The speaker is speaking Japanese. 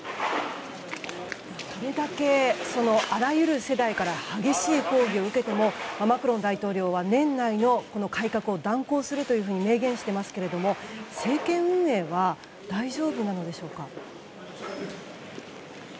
これだけあらゆる世代から激しい抗議を受けてもマクロン大統領は年内の改革を断行すると明言していますが政権運営は大丈夫なのでしょうか。